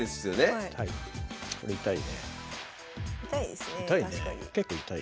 はい。